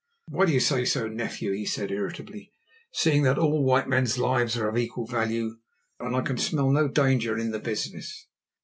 "Why do you say so, nephew," he said irritably, "seeing that all white men's lives are of equal value, and I can smell no danger in the business?"